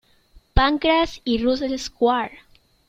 Pancras y Russell Square.